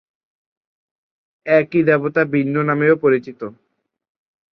একই দেবতা ভিন্ন নামেও পরিচিত।